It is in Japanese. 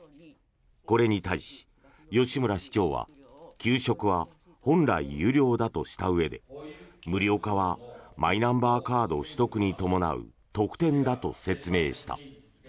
これに対し、吉村市長は給食は本来、有料だとしたうえで無料化はマイナンバーカード取得に伴う特典だと説明した。